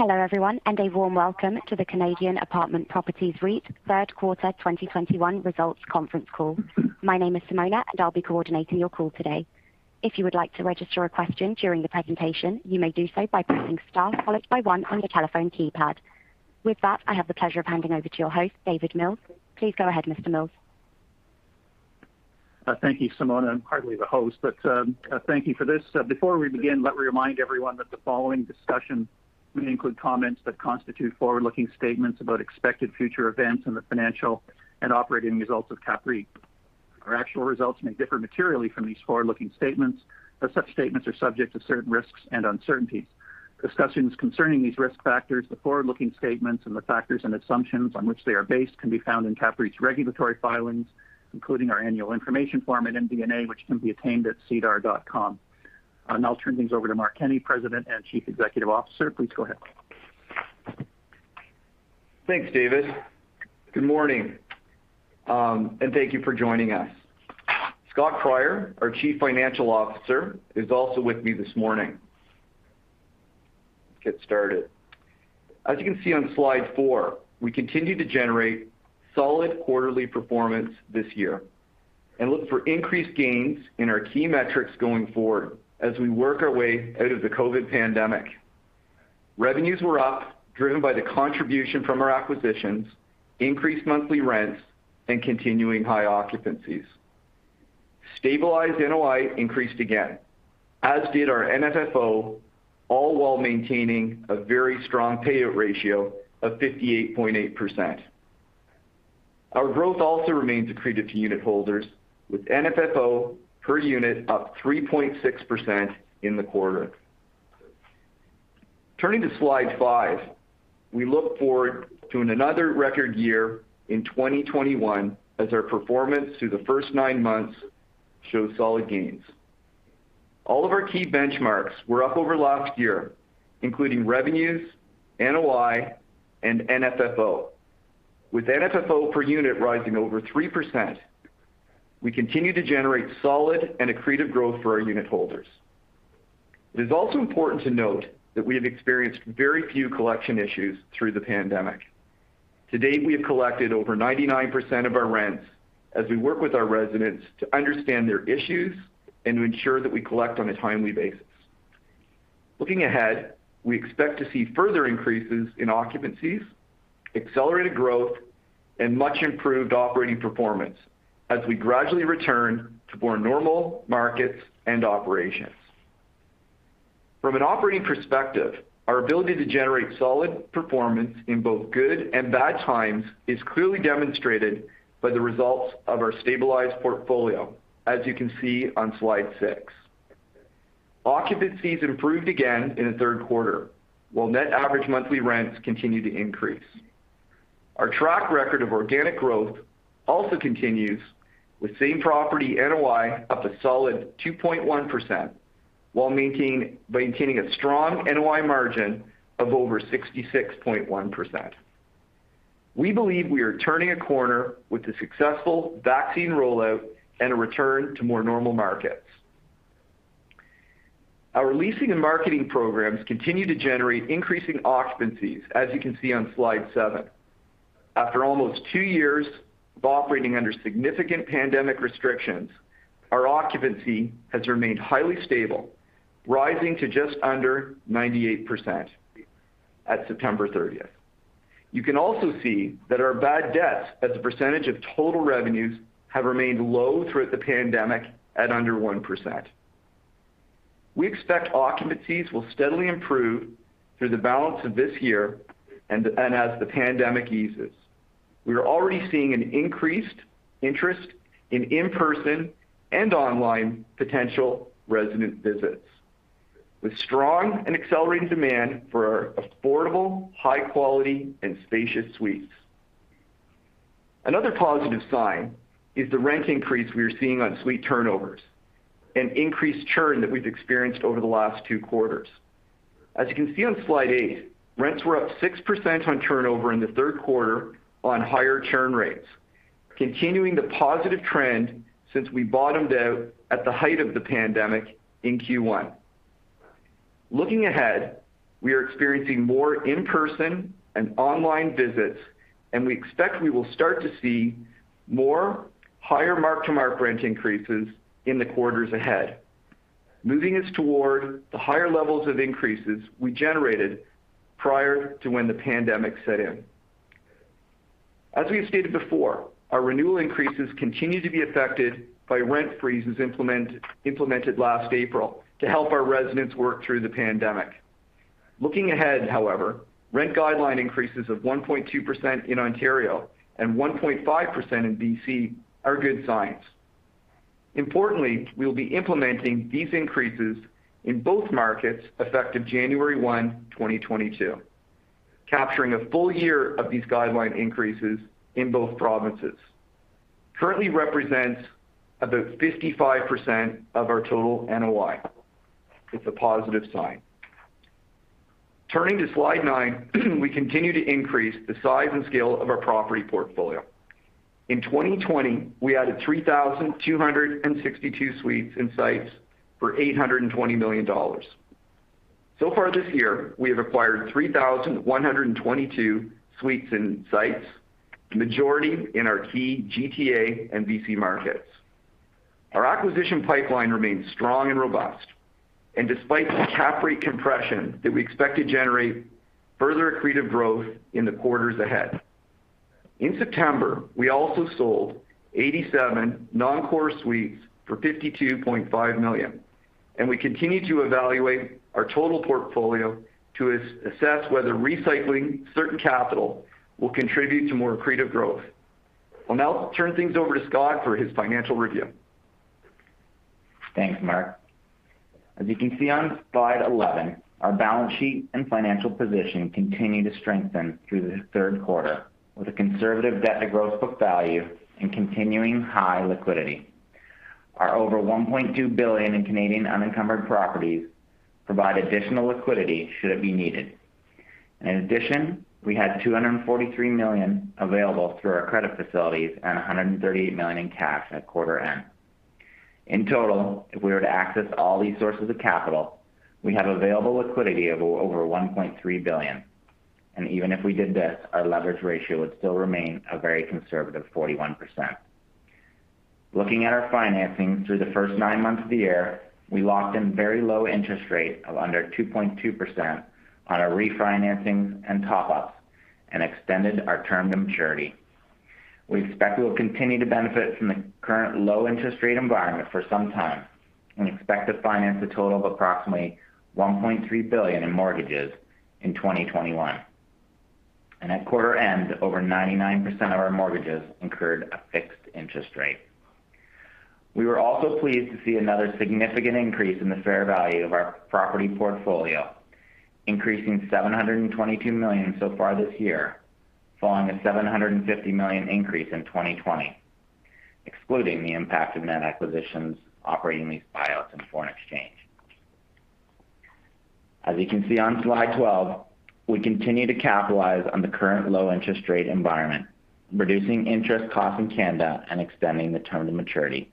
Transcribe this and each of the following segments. Hello, everyone, and a warm welcome to the Canadian Apartment Properties REIT third quarter 2021 results conference call. My name is Simona, and I'll be coordinating your call today. If you would like to register a question during the presentation, you may do so by pressing star followed by one on your telephone keypad. With that, I have the pleasure of handing over to your host, David Mills. Please go ahead, Mr. Mills. Thank you, Simona. I'm hardly the host, but thank you for this. Before we begin, let me remind everyone that the following discussion may include comments that constitute forward-looking statements about expected future events and the financial and operating results of CAPREIT. Our actual results may differ materially from these forward-looking statements, as such statements are subject to certain risks and uncertainties. Discussions concerning these risk factors, the forward-looking statements, and the factors and assumptions on which they are based can be found in CAPREIT's regulatory filings, including our annual information form and MD&A, which can be obtained at sedar.com. I'll now turn things over to Mark Kenney, President and Chief Executive Officer. Please go ahead. Thanks, David. Good morning, and thank you for joining us. Scott Cryer, our Chief Financial Officer, is also with me this morning. Let's get started. As you can see on slide four, we continue to generate solid quarterly performance this year and look for increased gains in our key metrics going forward as we work our way out of the COVID pandemic. Revenues were up, driven by the contribution from our acquisitions, increased monthly rents, and continuing high occupancies. Stabilized NOI increased again, as did our FFO, all while maintaining a very strong payout ratio of 58.8%. Our growth also remains accretive to unitholders, with FFO per unit up 3.6% in the quarter. Turning to slide five, we look forward to another record year in 2021 as our performance through the first nine months shows solid gains. All of our key benchmarks were up over last year, including revenues, NOI, and FFO. With FFO per unit rising over 3%, we continue to generate solid and accretive growth for our unitholders. It is also important to note that we have experienced very few collection issues through the pandemic. To date, we have collected over 99% of our rents as we work with our residents to understand their issues and to ensure that we collect on a timely basis. Looking ahead, we expect to see further increases in occupancies, accelerated growth, and much improved operating performance as we gradually return to more normal markets and operations. From an operating perspective, our ability to generate solid performance in both good and bad times is clearly demonstrated by the results of our stabilized portfolio, as you can see on slide six. Occupancies improved again in the third quarter, while net average monthly rents continued to increase. Our track record of organic growth also continues with same property NOI up a solid 2.1% while maintaining a strong NOI margin of over 66.1%. We believe we are turning a corner with the successful vaccine rollout and a return to more normal markets. Our leasing and marketing programs continue to generate increasing occupancies, as you can see on slide seven. After almost two years of operating under significant pandemic restrictions, our occupancy has remained highly stable, rising to just under 98% at September 30th. You can also see that our bad debts as a percentage of total revenues have remained low throughout the pandemic at under 1%. We expect occupancies will steadily improve through the balance of this year and as the pandemic eases. We are already seeing an increased interest in in-person and online potential resident visits with strong and accelerating demand for our affordable, high-quality, and spacious suites. Another positive sign is the rent increase we are seeing on suite turnovers and increased churn that we've experienced over the last two quarters. As you can see on slide eight, rents were up 6% on turnover in the third quarter on higher churn rates, continuing the positive trend since we bottomed out at the height of the pandemic in Q1. Looking ahead, we are experiencing more in-person and online visits, and we expect we will start to see more higher mark-to-market rent increases in the quarters ahead, moving us toward the higher levels of increases we generated prior to when the pandemic set in. As we've stated before, our renewal increases continue to be affected by rent freezes implemented last April to help our residents work through the pandemic. Looking ahead, however, rent guideline increases of 1.2% in Ontario and 1.5% in B.C. are good signs. Importantly, we'll be implementing these increases in both markets effective January 1, 2022, capturing a full year of these guideline increases in both provinces, which currently represent about 55% of our total NOI. It's a positive sign. Turning to slide nine, we continue to increase the size and scale of our property portfolio. In 2020, we added 3,262 suites and sites for 820 million dollars. So far this year, we have acquired 3,122 suites and sites, majority in our key GTA and B.C. markets. Our acquisition pipeline remains strong and robust despite the cap rate compression, we expect to generate further accretive growth in the quarters ahead. In September, we also sold 87 non-core suites for 52.5 million, and we continue to evaluate our total portfolio to assess whether recycling certain capital will contribute to more accretive growth. I'll now turn things over to Scott for his financial review. Thanks, Mark. As you can see on slide 11, our balance sheet and financial position continued to strengthen through the third quarter with a conservative debt to gross book value and continuing high liquidity. Our over 1.2 billion in Canadian unencumbered properties provide additional liquidity should it be needed. In addition, we had 243 million available through our credit facilities and 138 million in cash at quarter end. In total, if we were to access all these sources of capital, we have available liquidity of over 1.3 billion. Even if we did this, our leverage ratio would still remain a very conservative 41%. Looking at our financing through the first nine months of the year, we locked in very low interest rate of under 2.2% on our refinancing and top-ups and extended our term to maturity. We expect we will continue to benefit from the current low interest rate environment for some time and expect to finance a total of approximately 1.3 billion in mortgages in 2021. At quarter end, over 99% of our mortgages incurred a fixed interest rate. We were also pleased to see another significant increase in the fair value of our property portfolio, increasing 722 million so far this year, following a 750 million increase in 2020, excluding the impact of net acquisitions, operating lease buyouts and foreign exchange. As you can see on slide 12, we continue to capitalize on the current low interest rate environment, reducing interest costs in Canada and extending the term to maturity.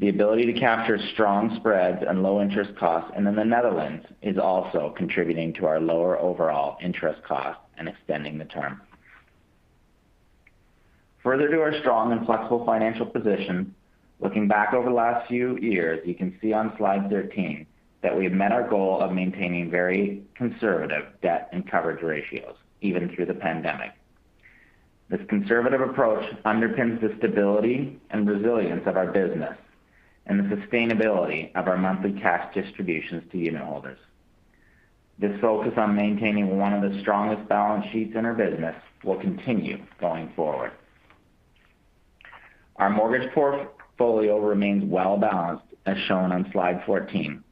The ability to capture strong spreads and low interest costs in the Netherlands is also contributing to our lower overall interest costs and extending the term. Further to our strong and flexible financial position, looking back over the last few years, you can see on slide 13 that we have met our goal of maintaining very conservative debt and coverage ratios even through the pandemic. This conservative approach underpins the stability and resilience of our business and the sustainability of our monthly cash distributions to unitholders. This focus on maintaining one of the strongest balance sheets in our business will continue going forward. Our mortgage portfolio remains well-balanced, as shown on slide 14.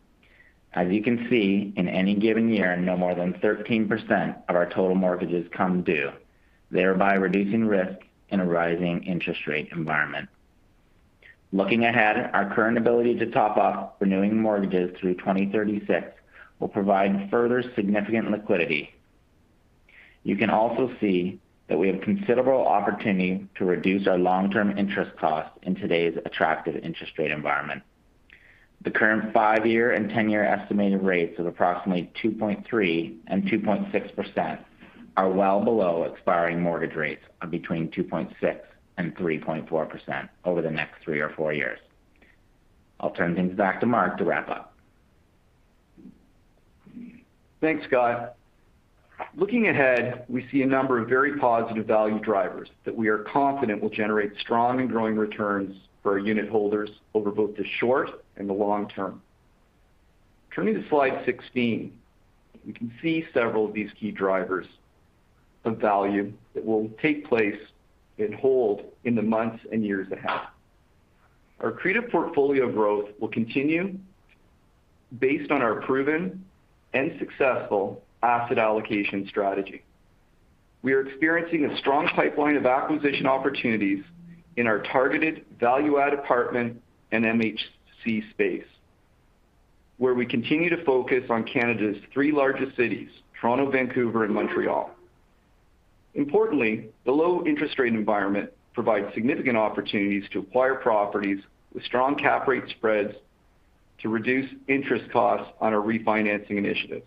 As you can see, in any given year, no more than 13% of our total mortgages come due, thereby reducing risk in a rising interest rate environment. Looking ahead, our current ability to top up renewing mortgages through 2036 will provide further significant liquidity. You can also see that we have considerable opportunity to reduce our long-term interest costs in today's attractive interest rate environment. The current five-year and 10-year estimated rates of approximately 2.3% and 2.6% are well below expiring mortgage rates of between 2.6% and 3.4% over the next three or four years. I'll turn things back to Mark to wrap up. Thanks, Scott. Looking ahead, we see a number of very positive value drivers that we are confident will generate strong and growing returns for our unitholders over both the short and the long term. Turning to slide 16, we can see several of these key drivers of value that will take place and hold in the months and years ahead. Our accretive portfolio growth will continue based on our proven and successful asset allocation strategy. We are experiencing a strong pipeline of acquisition opportunities in our targeted value add apartment and MHC space, where we continue to focus on Canada's three largest cities, Toronto, Vancouver, and Montreal. Importantly, the low interest rate environment provides significant opportunities to acquire properties with strong cap rate spreads to reduce interest costs on our refinancing initiatives.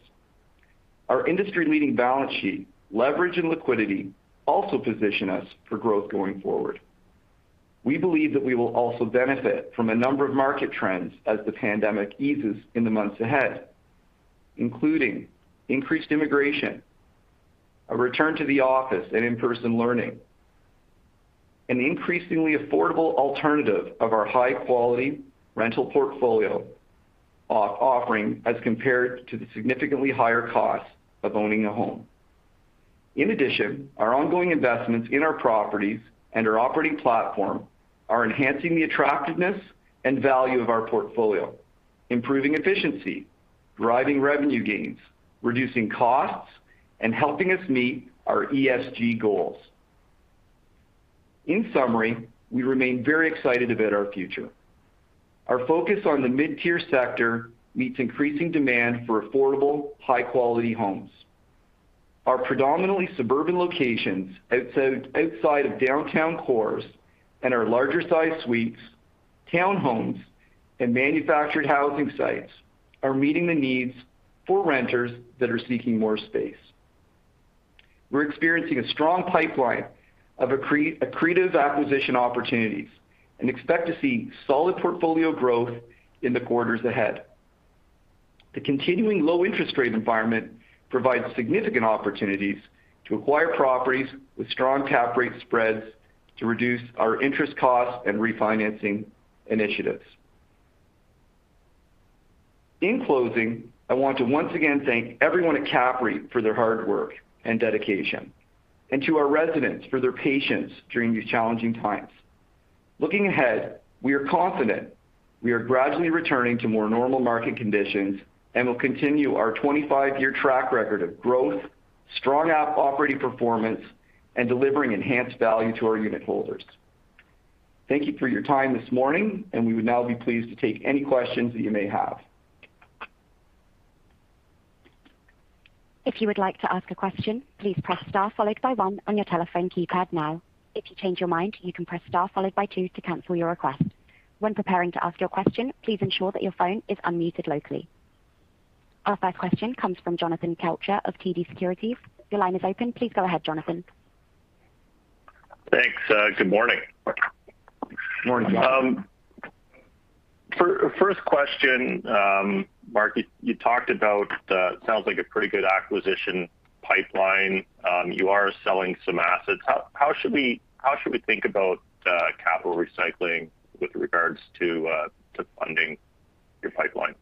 Our industry-leading balance sheet, leverage, and liquidity also position us for growth going forward. We believe that we will also benefit from a number of market trends as the pandemic eases in the months ahead, including increased immigration, a return to the office and in-person learning, an increasingly affordable alternative of our high-quality rental portfolio offering as compared to the significantly higher cost of owning a home. In addition, our ongoing investments in our properties and our operating platform are enhancing the attractiveness and value of our portfolio, improving efficiency, driving revenue gains, reducing costs, and helping us meet our ESG goals. In summary, we remain very excited about our future. Our focus on the mid-tier sector meets increasing demand for affordable, high-quality homes. Our predominantly suburban locations outside of downtown cores and our larger-sized suites, townhomes, and manufactured housing sites are meeting the needs for renters that are seeking more space. We're experiencing a strong pipeline of accretive acquisition opportunities and expect to see solid portfolio growth in the quarters ahead. The continuing low interest rate environment provides significant opportunities to acquire properties with strong cap rate spreads to reduce our interest costs and refinancing initiatives. In closing, I want to once again thank everyone at CAPREIT for their hard work and dedication, and to our residents for their patience during these challenging times. Looking ahead, we are confident we are gradually returning to more normal market conditions and will continue our 25-year track record of growth, strong operating performance, and delivering enhanced value to our unitholders. Thank you for your time this morning, and we would now be pleased to take any questions that you may have. If you would like to ask a question, please press star followed by one on your telephone keypad now. If you change your mind, you can press star followed by two to cancel your request. When preparing to ask your question, please ensure that your phone is unmuted locally. Our first question comes from Jonathan Kelcher of TD Securities. Your line is open. Please go ahead, Jonathan. Thanks, good morning. Morning. First question, Mark, you talked about sounds like a pretty good acquisition pipeline. You are selling some assets. How should we think about capital recycling with regards to funding your pipeline?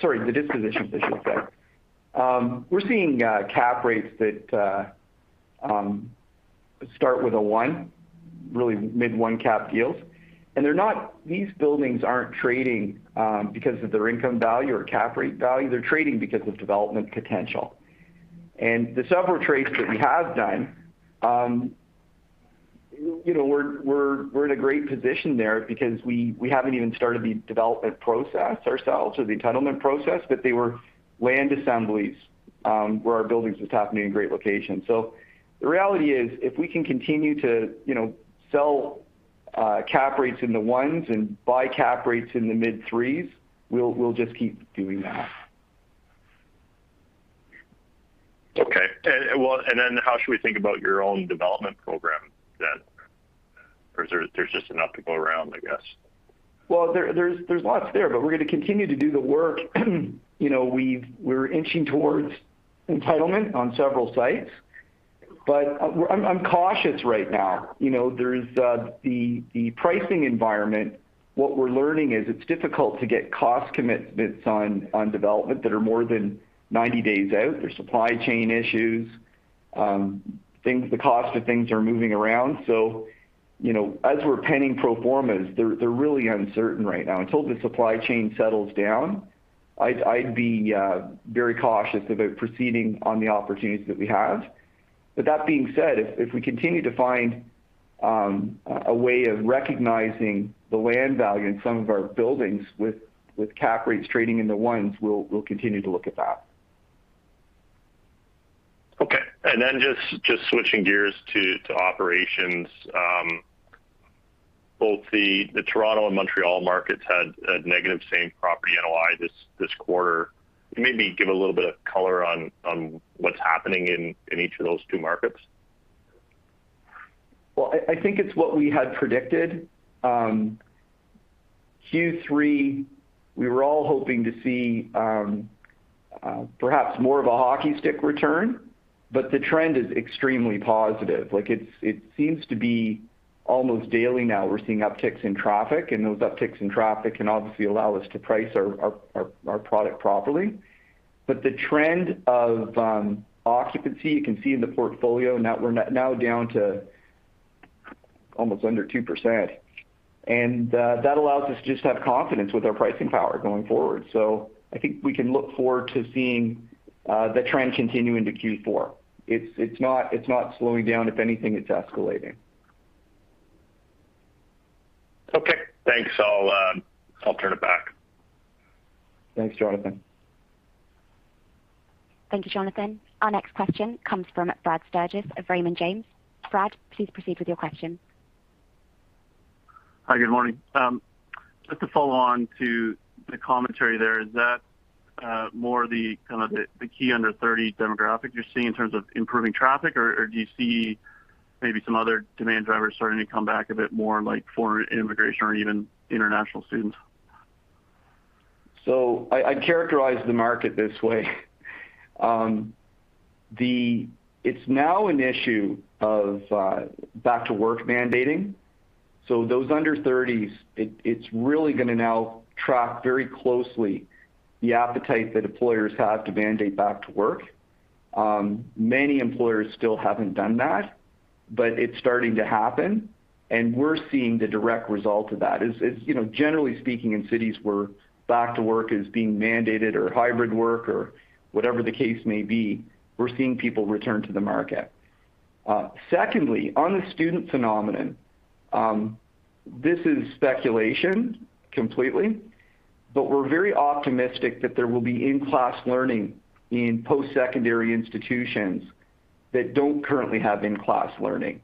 Sorry, the dispositions I should say. We're seeing cap rates that start with a one, really mid-one cap deals, and they're not. These buildings aren't trading because of their income value or cap rate value. They're trading because of development potential. The several trades that we have done, you know, we're in a great position there because we haven't even started the development process ourselves or the entitlement process, but they were land assemblies where our buildings just happen to be in great locations. The reality is, if we can continue to, you know, sell cap rates in the ones and buy cap rates in the mid-threes, we'll just keep doing that. Okay. How should we think about your own development program then? Or there's just enough to go around, I guess. Well, there's lots there, but we're gonna continue to do the work. You know, we're inching towards entitlement on several sites, but I'm cautious right now. You know, there's the pricing environment. What we're learning is it's difficult to get cost commitments on development that are more than 90 days out. There's supply chain issues. Things, the cost of things, are moving around. You know, as we're penning pro formas, they're really uncertain right now. Until the supply chain settles down, I'd be very cautious about proceeding on the opportunities that we have. That being said, if we continue to find a way of recognizing the land value in some of our buildings with cap rates trading in the ones, we'll continue to look at that. Okay. Just switching gears to operations. Both the Toronto and Montreal markets had a negative same property NOI this quarter. Can you maybe give a little bit of color on what's happening in each of those two markets? Well, I think it's what we had predicted. Q3, we were all hoping to see perhaps more of a hockey stick return, but the trend is extremely positive. Like it seems to be almost daily now, we're seeing upticks in traffic, and those upticks in traffic can obviously allow us to price our product properly. The trend of occupancy, you can see in the portfolio now we're now down to almost under 2%, and that allows us to just have confidence with our pricing power going forward. I think we can look forward to seeing the trend continue into Q4. It's not slowing down. If anything, it's escalating. Okay. Thanks. I'll turn it back. Thanks, Jonathan. Thank you, Jonathan. Our next question comes from Brad Sturges of Raymond James. Brad, please proceed with your question. Hi, good morning. Just to follow on to the commentary there, is that more the key under-30 demographic you're seeing in terms of improving traffic or do you see maybe some other demand drivers starting to come back a bit more like foreign immigration or even international students? I characterize the market this way. It's now an issue of back to work mandating. Those under-30s, it's really gonna now track very closely the appetite that employers have to mandate back to work. Many employers still haven't done that. It's starting to happen, and we're seeing the direct result of that. You know, generally speaking, in cities where back to work is being mandated or hybrid work or whatever the case may be, we're seeing people return to the market. Secondly, on the student phenomenon, this is speculation completely, but we're very optimistic that there will be in-class learning in post-secondary institutions that don't currently have in-class learning.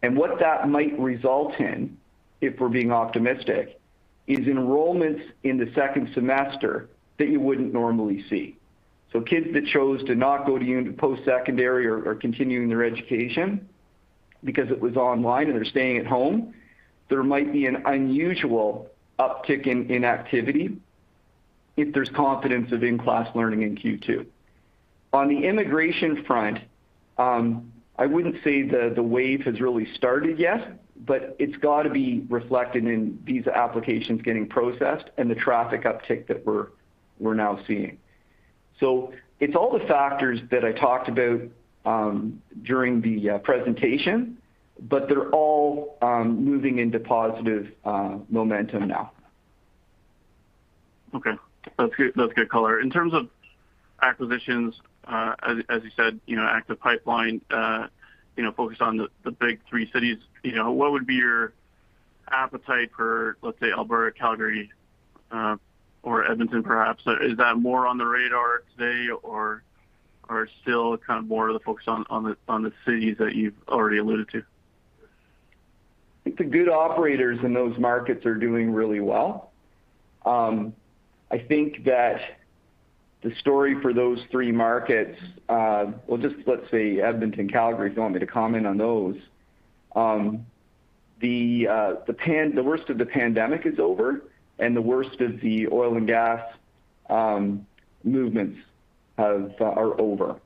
What that might result in, if we're being optimistic, is enrollments in the second semester that you wouldn't normally see. Kids that chose to not go to post-secondary or continuing their education because it was online and they're staying at home, there might be an unusual uptick in activity if there's confidence of in-class learning in Q2. On the immigration front, I wouldn't say the wave has really started yet, but it's gotta be reflected in visa applications getting processed and the traffic uptick that we're now seeing. It's all the factors that I talked about during the presentation, but they're all moving into positive momentum now. Okay. That's good, that's good color. In terms of acquisitions, as you said, you know, active pipeline, you know, focused on the big three cities, you know, what would be your appetite for, let's say, Alberta, Calgary, or Edmonton perhaps? Is that more on the radar today or still kind of more of the focus on the cities that you've already alluded to? I think the good operators in those markets are doing really well. I think that the story for those three markets. Well, just let's say Edmonton, Calgary, if you want me to comment on those. The worst of the pandemic is over, and the worst of the oil and gas movements are over.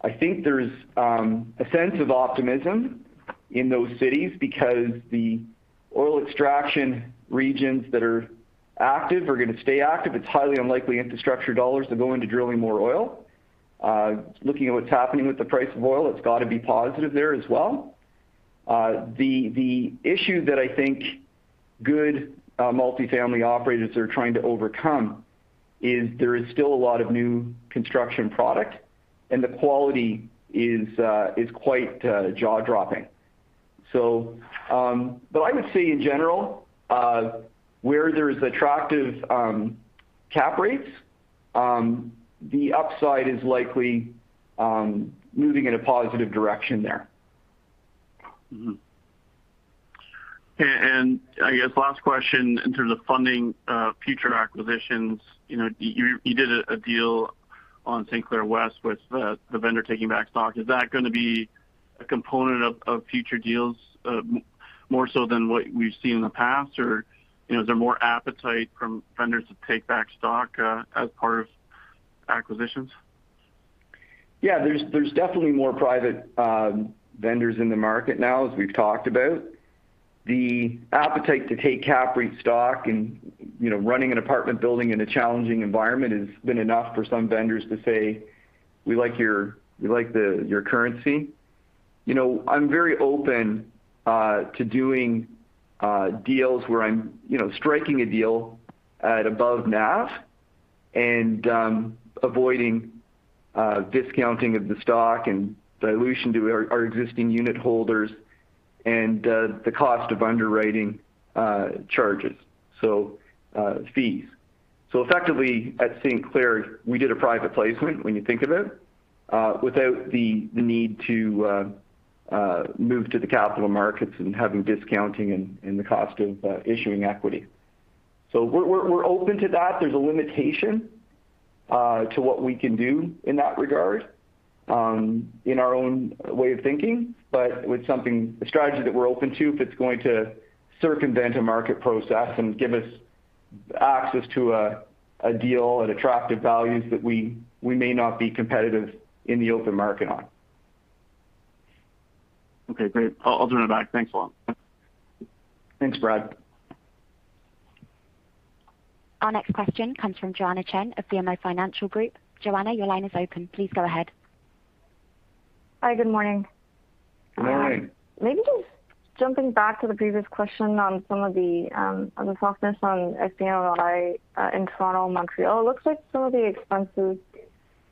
I think there's a sense of optimism in those cities because the oil extraction regions that are active are gonna stay active. It's highly unlikely infrastructure dollars are going to drilling more oil. Looking at what's happening with the price of oil, it's gotta be positive there as well. The issue that I think good multifamily operators are trying to overcome is there is still a lot of new construction product, and the quality is quite jaw-dropping. I would say in general, where there's attractive cap rates, the upside is likely moving in a positive direction there. Mm-hmm. I guess last question in terms of funding future acquisitions. You know, you did a deal on St. Clair West with the vendor taking back stock. Is that gonna be a component of future deals more so than what we've seen in the past? Or, you know, is there more appetite from vendors to take back stock as part of acquisitions? Yeah. There's definitely more private vendors in the market now, as we've talked about. The appetite to take cap rate risk and, you know, running an apartment building in a challenging environment has been enough for some vendors to say, "We like your currency." You know, I'm very open to doing deals where I'm, you know, striking a deal at above NAV and avoiding discounting of the stock and dilution to our existing unitholders and the cost of underwriting charges, so fees. So effectively, at St. Clair, we did a private placement, when you think of it, without the need to move to the capital markets and having discounting and the cost of issuing equity. So we're open to that. There's a limitation to what we can do in that regard, in our own way of thinking. With a strategy that we're open to, if it's going to circumvent a market process and give us access to a deal at attractive values that we may not be competitive in the open market on. Okay. Great. I'll turn it back. Thanks a lot. Thanks, Brad. Our next question comes from Joanne Chen of BMO Financial Group. Joanne, your line is open. Please go ahead. Hi. Good morning. Good morning. Maybe just jumping back to the previous question on some of the, on the softness on SPNOI, in Toronto and Montreal. It looks like some of the expenses,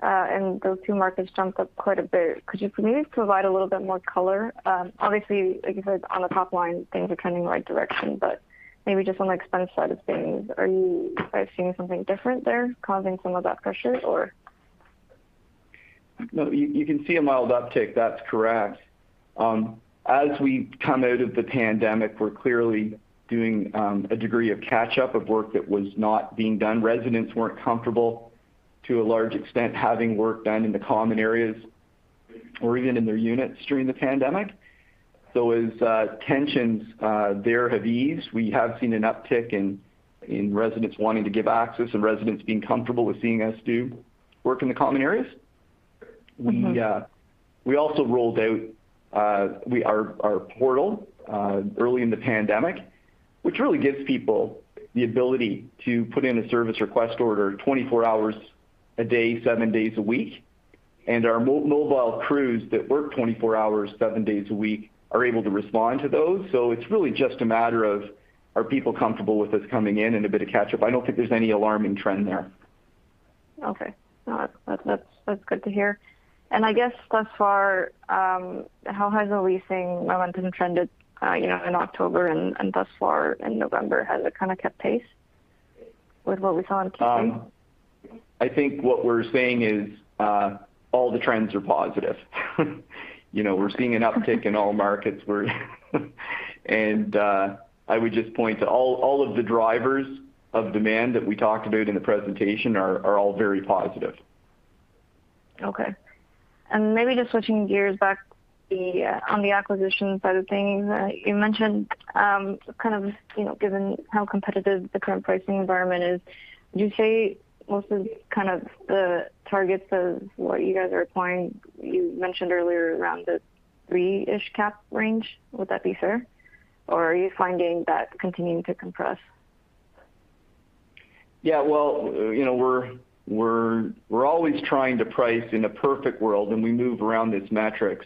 in those two markets jumped up quite a bit. Could you maybe provide a little bit more color? Obviously, like you said, on the top line, things are trending in the right direction, but maybe just on the expense side of things. Are you guys seeing something different there causing some of that pressure or? No. You can see a mild uptick. That's correct. As we come out of the pandemic, we're clearly doing a degree of catch-up, of work that was not being done. Residents weren't comfortable, to a large extent, having work done in the common areas or even in their units during the pandemic. As tensions there have eased, we have seen an uptick in residents wanting to give access and residents being comfortable with seeing us do work in the common areas. Mm-hmm. We also rolled out our portal early in the pandemic, which really gives people the ability to put in a service request order 24 hours a day, seven days a week. Our mobile crews that work 24 hours, seven days a week are able to respond to those. It's really just a matter of are people comfortable with us coming in and a bit of catch-up. I don't think there's any alarming trend there. Okay. No, that's good to hear. I guess thus far, how has the leasing momentum trended, you know, in October and thus far in November? Has it kind of kept pace with what we saw in Q3? I think what we're saying is, all the trends are positive. You know, we're seeing an uptick in all markets. I would just point to all of the drivers of demand that we talked about in the presentation are all very positive. Okay. Maybe just switching gears back to the acquisition side of things. You mentioned kind of, you know, given how competitive the current pricing environment is, would you say most of kind of the targets of what you guys are acquiring, you mentioned earlier around the three-ish cap range. Would that be fair? Or are you finding that continuing to compress? Yeah. Well, you know, we're always trying to price in a perfect world, and we move around these metrics.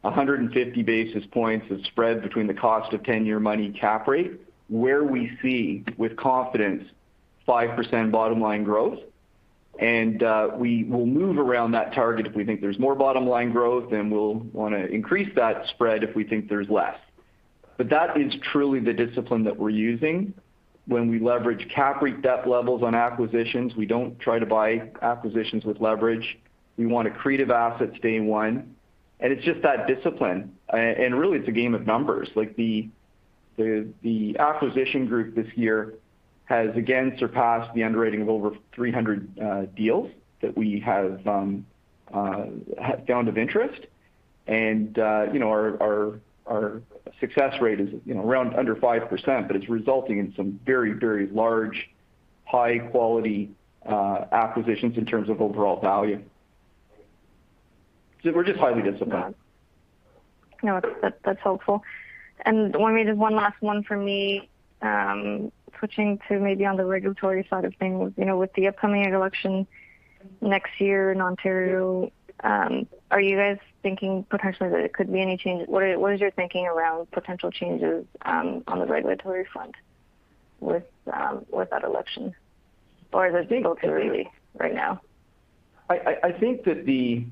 150 basis points is spread between the cost of 10-year money cap rate, where we see with confidence 5% bottom line growth. We will move around that target if we think there's more bottom line growth, then we'll wanna increase that spread if we think there's less. That is truly the discipline that we're using. When we leverage cap rate debt levels on acquisitions, we don't try to buy acquisitions with leverage. We want accretive assets day one. It's just that discipline. Really it's a game of numbers. Like the acquisition group this year has again surpassed the underwriting of over 300 deals that we have found of interest. You know, our success rate is, you know, around under 5%, but it's resulting in some very, very large high quality acquisitions in terms of overall value. We're just highly disciplined. No, that's helpful. Maybe just one last one for me. Switching to maybe on the regulatory side of things. You know, with the upcoming election next year in Ontario, are you guys thinking potentially that there could be any change? What is your thinking around potential changes on the regulatory front with that election? Or is it too early right now? I think that the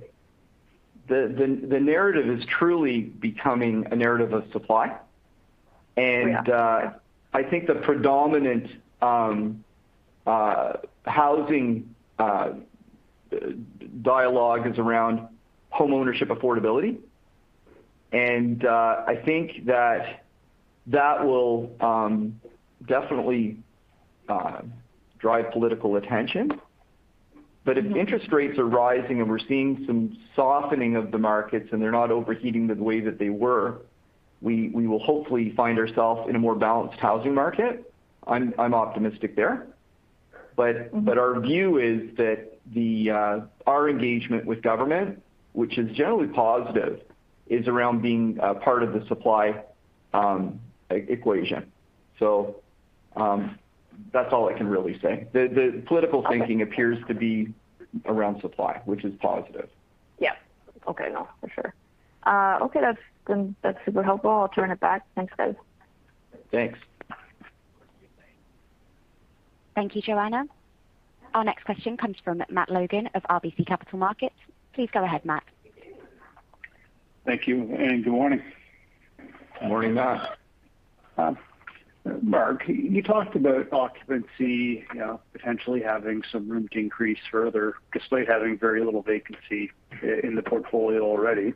narrative is truly becoming a narrative of supply. Yeah. I think the predominant housing dialogue is around homeownership affordability. I think that will definitely drive political attention. Mm-hmm. If interest rates are rising and we're seeing some softening of the markets, and they're not overheating the way that they were, we will hopefully find ourselves in a more balanced housing market. I'm optimistic there. Mm-hmm. our view is that our engagement with government, which is generally positive, is around being part of the supply equation. That's all I can really say. The political thinking Okay. It appears to be around supply, which is positive. Yeah. Okay. No, for sure. Okay. That's super helpful. I'll turn it back. Thanks, guys. Thanks. Thank you, Joanne. Our next question comes from Matt Logan of RBC Capital Markets. Please go ahead, Matt. Thank you, and good morning. Morning, Matt. Mark, you talked about occupancy, you know, potentially having some room to increase further despite having very little vacancy in the portfolio already.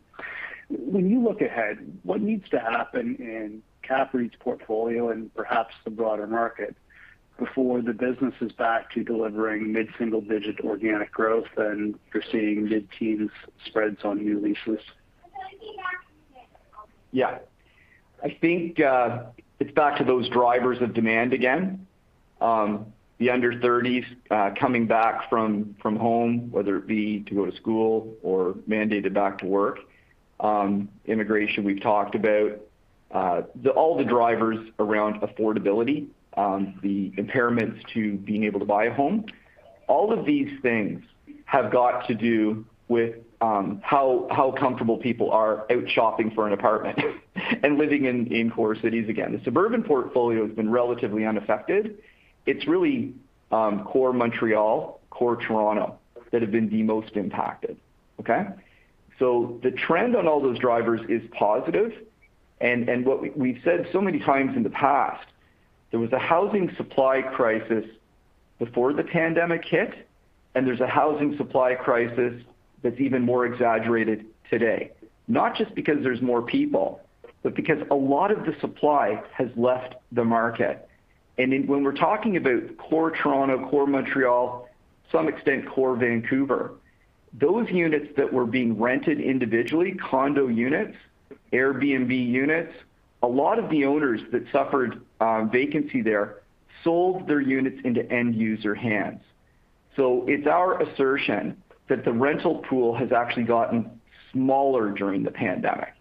When you look ahead, what needs to happen in CAPREIT's portfolio and perhaps the broader market before the business is back to delivering mid-single-digit organic growth and you're seeing mid-teens spreads on new leases? Yeah. I think it's back to those drivers of demand again. The under-30s coming back from home, whether it be to go to school or mandated back to work. Immigration, we've talked about. All the drivers around affordability, the impairments to being able to buy a home. All of these things have got to do with how comfortable people are out shopping for an apartment and living in core cities again. The suburban portfolio has been relatively unaffected. It's really core Montreal, core Toronto that have been the most impacted. Okay? The trend on all those drivers is positive. What we've said so many times in the past, there was a housing supply crisis before the pandemic hit, and there's a housing supply crisis that's even more exaggerated today. Not just because there's more people, but because a lot of the supply has left the market. When we're talking about core Toronto, core Montreal, some extent core Vancouver, those units that were being rented individually, condo units, Airbnb units, a lot of the owners that suffered vacancy there sold their units into end user hands. It's our assertion that the rental pool has actually gotten smaller during the pandemic.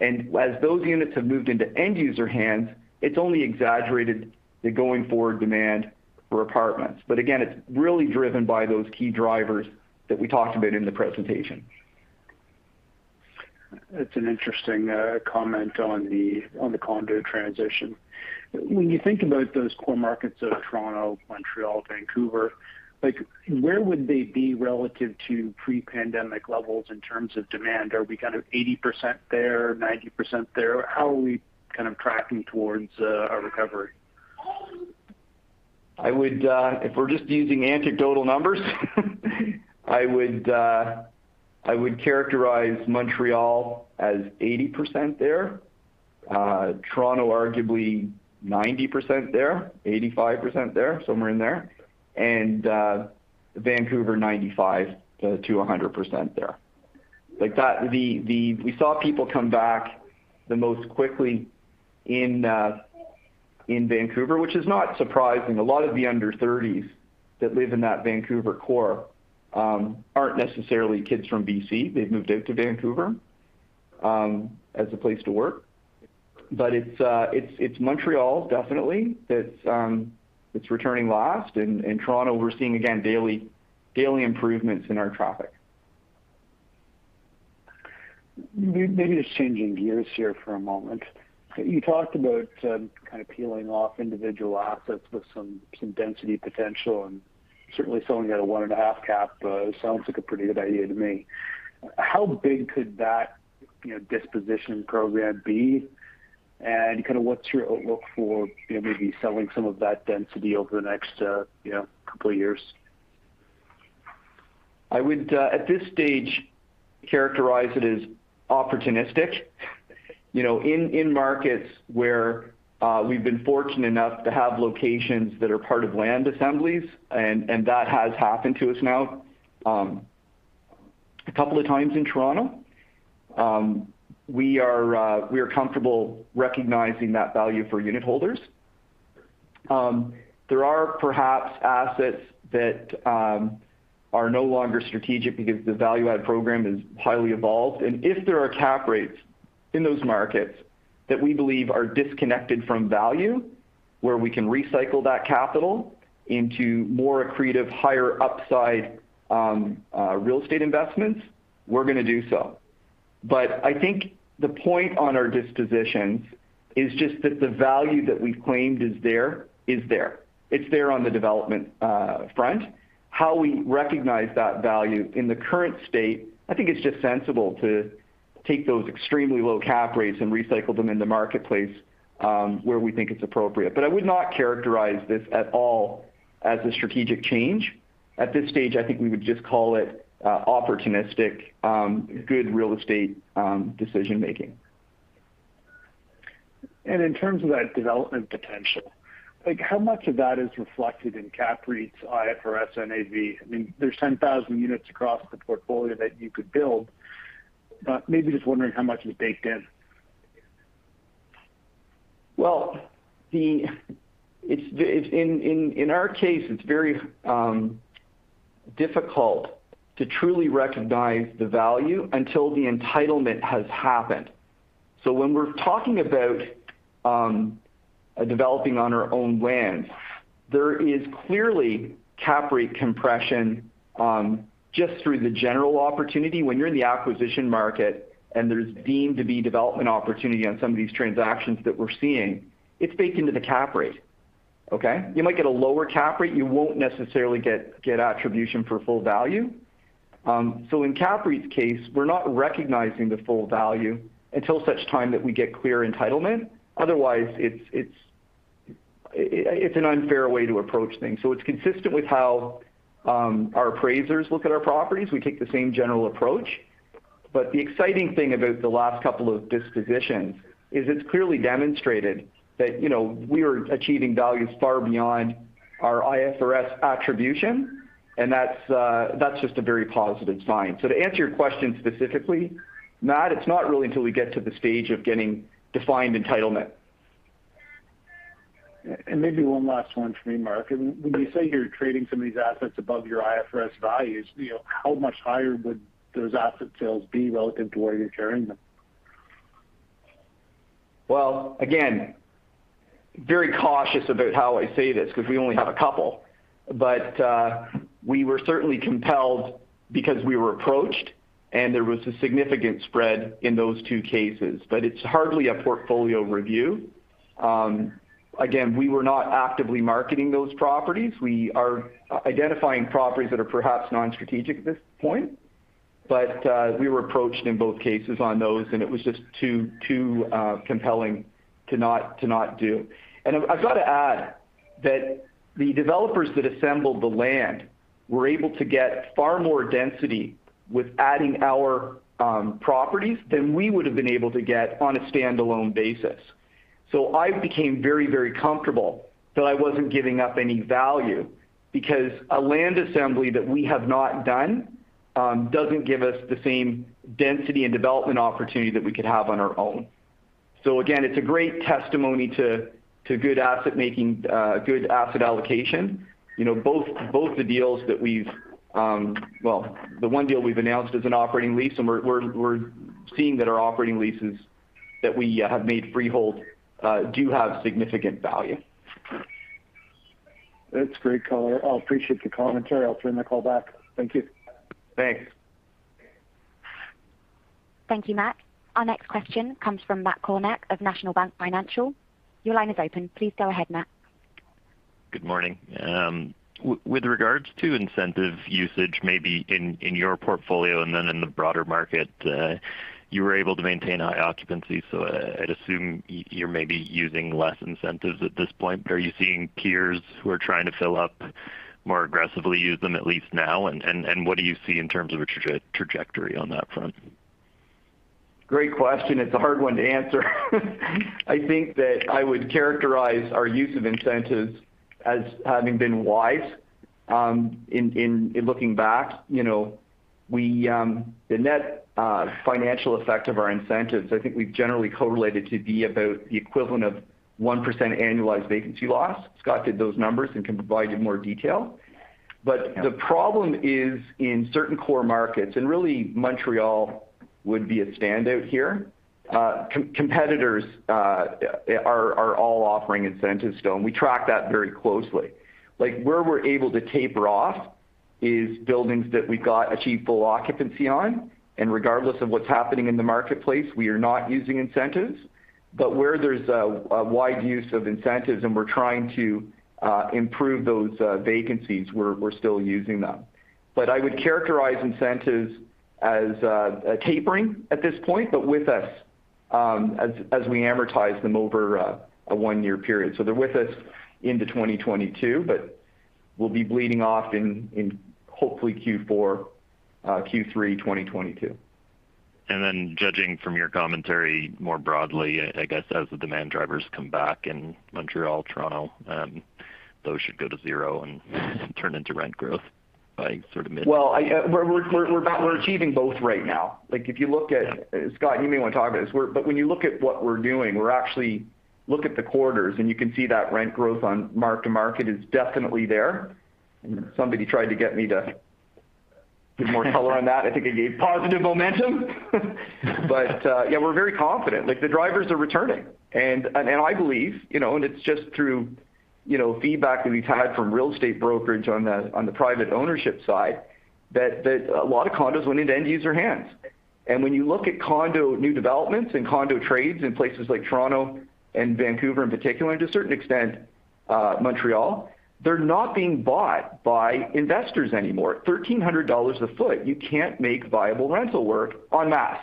As those units have moved into end user hands, it's only exaggerated the going forward demand for apartments. Again, it's really driven by those key drivers that we talked about in the presentation. It's an interesting comment on the condo transition. When you think about those core markets of Toronto, Montreal, Vancouver, like where would they be relative to pre-pandemic levels in terms of demand? Are we kind of 80% there, 90% there? How are we kind of tracking towards a recovery? I would, if we're just using anecdotal numbers, characterize Montreal as 80% there. Toronto, arguably 90% there, 85% there, somewhere in there. Vancouver, 95%-100% there. Like that we saw people come back the most quickly in Vancouver, which is not surprising. A lot of the under-30s that live in that Vancouver core aren't necessarily kids from B.C.. They've moved out to Vancouver as a place to work. It's Montreal definitely that's returning last. In Toronto, we're seeing again daily improvements in our traffic. Maybe just changing gears here for a moment. You talked about kind of peeling off individual assets with some density potential and certainly selling at a 1.5 cap sounds like a pretty good idea to me. How big could that, you know, disposition program be? And kind of what's your outlook for, you know, maybe selling some of that density over the next, you know, couple of years? I would at this stage characterize it as opportunistic. You know, in markets where we've been fortunate enough to have locations that are part of land assemblies, and that has happened to us now a couple of times in Toronto, we are comfortable recognizing that value for unit holders. There are perhaps assets that are no longer strategic because the value add program is highly evolved. If there are cap rates in those markets that we believe are disconnected from value, where we can recycle that capital into more accretive, higher upside real estate investments, we're going to do so. I think the point on our dispositions is just that the value that we've claimed is there. It's there on the development front. How we recognize that value in the current state, I think it's just sensible to take those extremely low cap rates and recycle them in the marketplace, where we think it's appropriate. I would not characterize this at all as a strategic change. At this stage, I think we would just call it, opportunistic, good real estate, decision making. In terms of that development potential, like how much of that is reflected in CAPREIT's IFRS NAV? I mean, there's 10,000 units across the portfolio that you could build. Maybe just wondering how much is baked in. In our case, it's very difficult to truly recognize the value until the entitlement has happened. When we're talking about developing on our own lands, there is clearly cap rate compression just through the general opportunity. When you're in the acquisition market and there's deemed to be development opportunity on some of these transactions that we're seeing, it's baked into the cap rate, okay? You might get a lower cap rate. You won't necessarily get attribution for full value. In CAPREIT's case, we're not recognizing the full value until such time that we get clear entitlement. Otherwise, it's an unfair way to approach things. It's consistent with how our appraisers look at our properties. We take the same general approach. The exciting thing about the last couple of dispositions is it's clearly demonstrated that, you know, we are achieving values far beyond our IFRS attribution, and that's just a very positive sign. To answer your question specifically, Matt, it's not really until we get to the stage of getting defined entitlement. Maybe one last one for me, Mark. When you say you're trading some of these assets above your IFRS values, you know, how much higher would those asset sales be relative to where you're carrying them? Well, again, very cautious about how I say this because we only have a couple. We were certainly compelled because we were approached, and there was a significant spread in those two cases. It's hardly a portfolio review. Again, we were not actively marketing those properties. We are identifying properties that are perhaps non-strategic at this point. We were approached in both cases on those, and it was just too compelling to not do. I've got to add that the developers that assembled the land were able to get far more density with adding our properties than we would have been able to get on a standalone basis. I became very, very comfortable that I wasn't giving up any value because a land assembly that we have not done doesn't give us the same density and development opportunity that we could have on our own. Again, it's a great testimony to good asset management, good asset allocation. You know, the one deal we've announced is an operating lease, and we're seeing that our operating leases that we have made freehold do have significant value. That's great color. I appreciate the commentary. I'll turn the call back. Thank you. Thanks. Thank you, Matt. Our next question comes from Matt Kornack of National Bank Financial. Your line is open. Please go ahead, Matt. Good morning. With regards to incentive usage, maybe in your portfolio and then in the broader market, you were able to maintain high occupancy, so I'd assume you're maybe using less incentives at this point. But are you seeing peers who are trying to fill up more aggressively use them, at least now? What do you see in terms of a trajectory on that front? Great question. It's a hard one to answer. I think that I would characterize our use of incentives as having been wise in looking back. You know, the net financial effect of our incentives, I think we've generally correlated to be about the equivalent of 1% annualized vacancy loss. Scott did those numbers and can provide you more detail. The problem is, in certain core markets, and really Montreal would be a standout here, competitors are all offering incentives. We track that very closely. Like, where we're able to taper off is buildings that we achieved full occupancy on, and regardless of what's happening in the marketplace, we are not using incentives. Where there's a wide use of incentives and we're trying to improve those vacancies, we're still using them. I would characterize incentives as a tapering at this point, but with us, as we amortize them over a one-year period. They're with us into 2022, but we'll be bleeding off in hopefully Q4 Q3 2022. Judging from your commentary more broadly, I guess as the demand drivers come back in Montreal, Toronto, those should go to zero and turn into rent growth by sort of mid- Well, we're achieving both right now. Like, if you look at- Yeah. Scott, you may want to talk about this. When you look at what we're doing, look at the quarters, and you can see that rent growth on mark-to-market is definitely there. Somebody tried to get me to give more color on that. I think I gave positive momentum. Yeah, we're very confident. Like, the drivers are returning. I believe, you know, and it's just through, you know, feedback that we've had from real estate brokerage on the private ownership side that a lot of condos went into end user hands. When you look at condo new developments and condo trades in places like Toronto and Vancouver in particular, and to a certain extent, Montreal, they're not being bought by investors anymore. 1,300 dollars a sq ft, you can't make viable rental work en masse.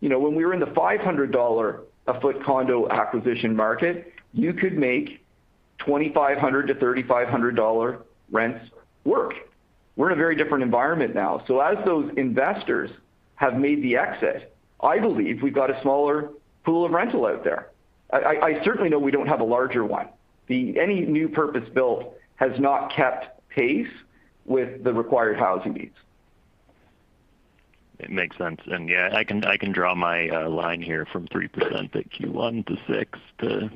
You know, when we were in the 500 dollar a foot condo acquisition market, you could make 2,500-3,500 dollar rents work. We're in a very different environment now. As those investors have made the exit, I believe we've got a smaller pool of rental out there. I certainly know we don't have a larger one. Any new purpose-built has not kept pace with the required housing needs. It makes sense. Yeah, I can draw my line here from 3% at Q1 to 6% to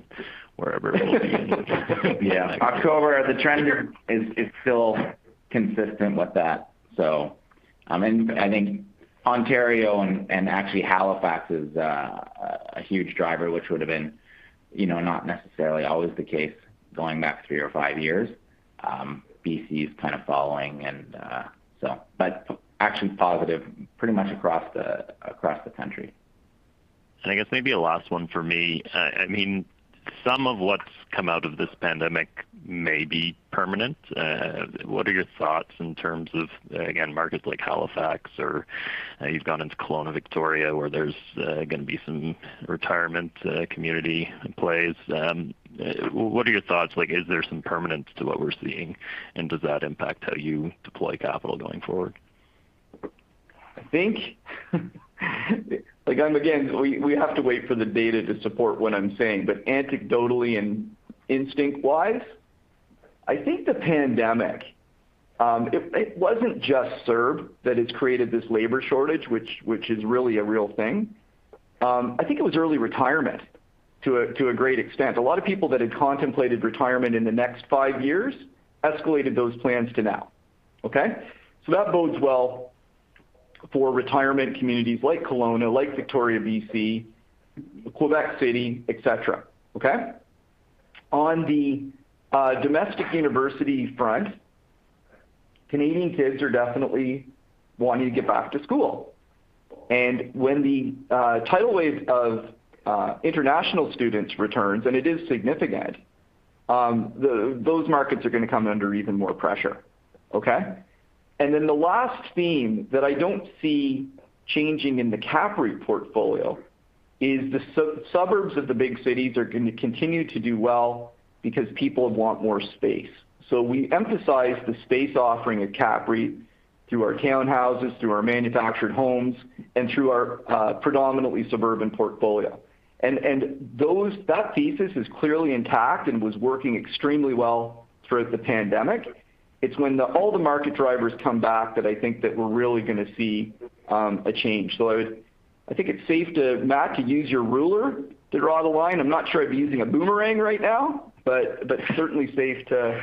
wherever it will be in- Yeah. October, the trend is still consistent with that. I mean, I think Ontario and actually Halifax is a huge driver, which would have been, you know, not necessarily always the case going back three or five years. B.C. is kind of following and action's positive pretty much across the country. I guess maybe a last one for me. I mean, some of what's come out of this pandemic may be permanent. What are your thoughts in terms of, again, markets like Halifax or, you've gone into Kelowna, Victoria, where there's going to be some retirement community in place. What are your thoughts? Like, is there some permanence to what we're seeing, and does that impact how you deploy capital going forward? I think again, we have to wait for the data to support what I'm saying. Anecdotally and instinct-wise, I think the pandemic, it wasn't just CERB that has created this labor shortage, which is really a real thing. I think it was early retirement to a great extent. A lot of people that had contemplated retirement in the next five years escalated those plans to now, okay? That bodes well for retirement communities like Kelowna, like Victoria, B.C., Quebec City, et cetera, okay? On the domestic university front, Canadian kids are definitely wanting to get back to school. When the tidal wave of international students returns, and it is significant, those markets are going to come under even more pressure, okay? Then the last theme that I don't see changing in the CAPREIT portfolio is the sub-suburbs of the big cities are going to continue to do well because people want more space. We emphasize the space offering at CAPREIT through our townhouses, through our manufactured homes, and through our predominantly suburban portfolio. That thesis is clearly intact and was working extremely well throughout the pandemic. It's when all the market drivers come back that I think that we're really gonna see a change. I think it's safe to, Matt, to use your ruler to draw the line. I'm not sure I'd be using a boomerang right now, but certainly safe to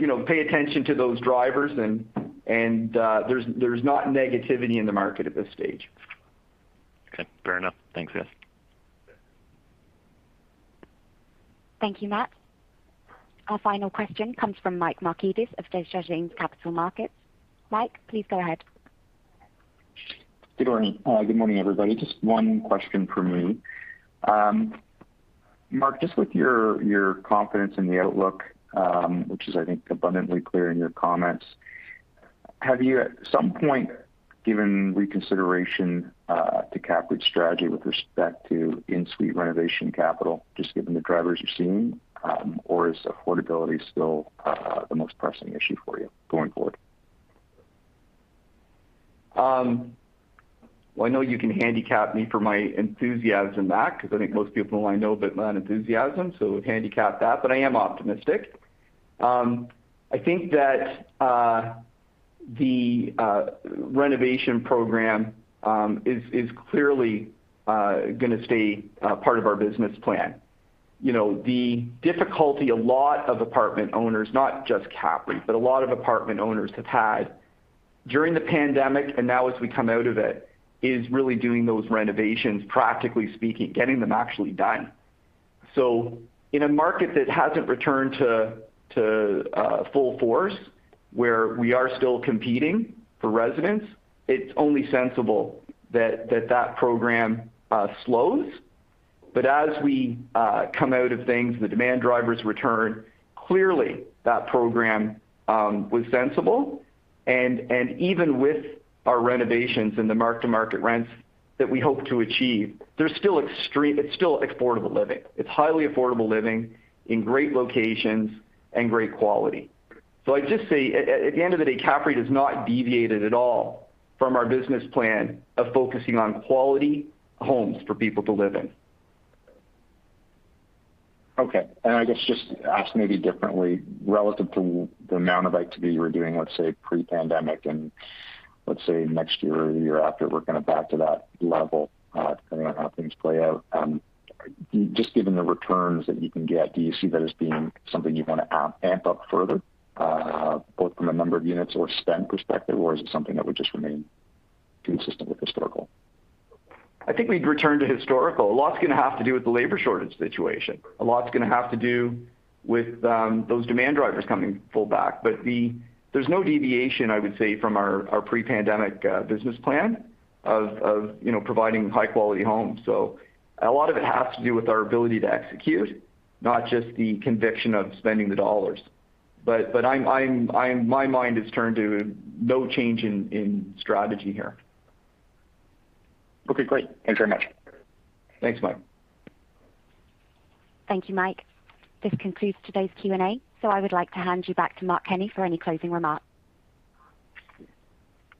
you know, pay attention to those drivers and there's not negativity in the market at this stage. Okay. Fair enough. Thanks, guys. Thank you, Matt. Our final question comes from Mike Markidis of Desjardins Capital Markets. Mike, please go ahead. Good morning, everybody. Just one question for me. Mark, just with your confidence in the outlook, which is I think abundantly clear in your comments, have you at some point given reconsideration to CAPREIT's strategy with respect to in-suite renovation capital, just given the drivers you're seeing? Is affordability still the most pressing issue for you going forward? Well, I know you can handicap me for my enthusiasm, Mike, because I think most people only know a bit of my enthusiasm, so handicap that, but I am optimistic. I think that the renovation program is clearly gonna stay part of our business plan. You know, the difficulty a lot of apartment owners, not just CAPREIT, but a lot of apartment owners have had during the pandemic and now as we come out of it, is really doing those renovations, practically speaking, getting them actually done. In a market that hasn't returned to full force, where we are still competing for residents, it's only sensible that that program slows. As we come out of things, the demand drivers return. Clearly, that program was sensible. Even with our renovations and the mark-to-market rents that we hope to achieve, they're still extreme. It's still affordable living. It's highly affordable living in great locations and great quality. I'd just say at the end of the day, CAPREIT has not deviated at all from our business plan of focusing on quality homes for people to live in. Okay. I guess just to ask maybe differently, relative to the amount of activity you were doing, let's say pre-pandemic and let's say next year or the year after, working it back to that level, depending on how things play out. Just given the returns that you can get, do you see that as being something you wanna amp up further, both from a number of units or spend perspective, or is it something that would just remain consistent with historical? I think we'd return to historical. A lot's gonna have to do with the labor shortage situation. A lot's gonna have to do with those demand drivers coming full back. There's no deviation, I would say, from our pre-pandemic business plan of you know, providing high-quality homes. A lot of it has to do with our ability to execute, not just the conviction of spending the dollars. My mind is turned to no change in strategy here. Okay, great. Thanks very much. Thanks, Mike. Thank you, Mike. This concludes today's Q&A. I would like to hand you back to Mark Kenney for any closing remarks.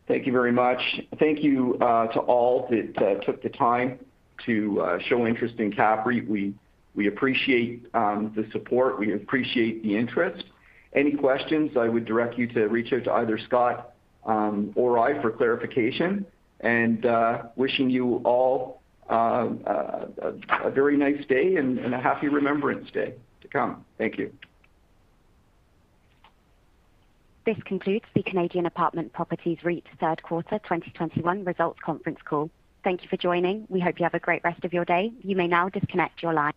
Thank you very much. Thank you to all that took the time to show interest in CAPREIT. We appreciate the support. We appreciate the interest. Any questions, I would direct you to reach out to either Scott or I for clarification. Wishing you all a very nice day and a happy Remembrance Day to come. Thank you. This concludes the Canadian Apartment Properties REIT third quarter 2021 results conference call. Thank you for joining. We hope you have a great rest of your day. You may now disconnect your line.